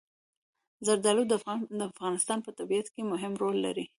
زردالو د افغانستان په طبیعت کې مهم رول لري.